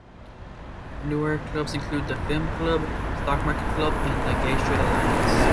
Newer clubs include Film club, Stock Market Club, and the Gay Straight Alliance.